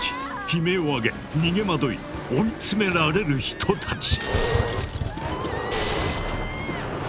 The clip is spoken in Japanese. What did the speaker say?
悲鳴をあげ逃げ惑い追い詰められる人たち。